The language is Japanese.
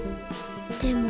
でも。